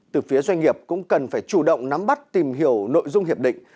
từ phía doanh nghiệp cũng cần phải chủ động nắm bắt tìm hiểu nội dung hiệp định